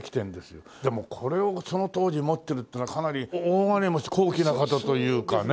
でもこれをその当時持ってるってのはかなり大金持ち高貴な方というかね。